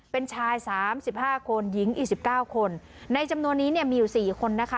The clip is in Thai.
เป็นชาย๓๕คนหญิง๒๙คนในจำนวนนี้มีอยู่๔คนนะคะ